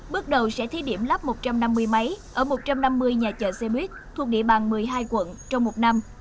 bước đầu sẽ thí điểm lắp một trăm năm mươi máy ở một trăm năm mươi nhà chợ xe buýt thuộc địa bàn một mươi hai quận trong một năm